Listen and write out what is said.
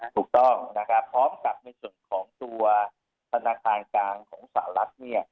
ถูกต้องนะครับพร้อมกับในส่วนของตัวธนาคารกลางของสหรัฐเนี่ย